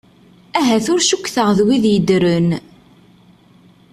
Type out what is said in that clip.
Ahat ur cukteɣ d wid yeddren?